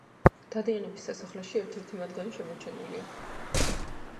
დადიანების სასახლეში ერთ-ერთი მათგანი შემორჩენილია.